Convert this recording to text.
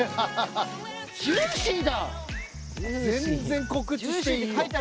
全然告知していいよ。